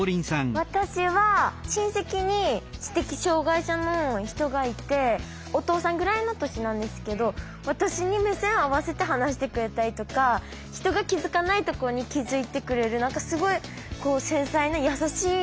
私は親戚に知的障害者の人がいてお父さんぐらいの年なんですけど私に目線合わせて話してくれたりとか人が気づかないところに気づいてくれる何かすごい繊細な優しい印象があります。